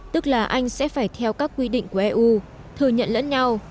tức là anh sẽ phải theo các quy định của eu thừa nhận lẫn nhau